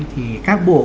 thì các bộ